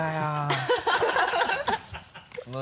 ハハハ